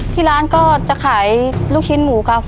ที่ร้านก็จะขายลูกชิ้นหมูครับ